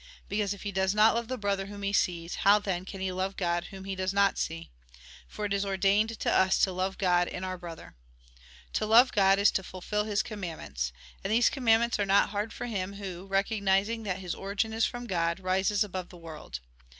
Because, if he does not love the brother whom he sees, how, then, can he love God whom he does not see ? For it is ordained to us to love God in our brother. To love God, is to fulfil His commandments. And these commandments are not hard for him who, recognising that his origin is from God, rises above the world.